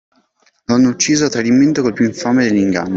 Lo hanno ucciso a tradimento col píú infame degli inganni